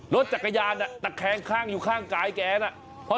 รถจักรยานตะแคงข้างอยู่ข้างกายแกน่ะ